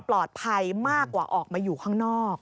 ปลอดภัยมากกว่าออกมาอยู่ข้างนอก